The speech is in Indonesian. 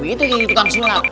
itu jahit ikutan sulat